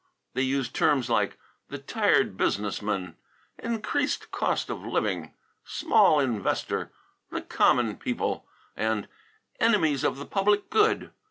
They used terms like "the tired business man," "increased cost of living," "small investor," "the common people," and "enemies of the Public Good."